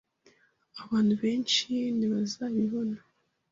Abantu benshi ntibazabibona.